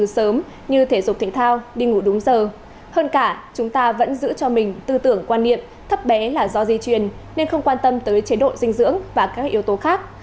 sớm như thể dục thể thao đi ngủ đúng giờ hơn cả chúng ta vẫn giữ cho mình tư tưởng quan niệm thấp bé là do di truyền nên không quan tâm tới chế độ dinh dưỡng và các yếu tố khác